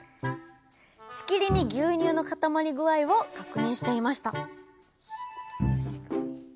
しきりに牛乳の固まり具合を確認していました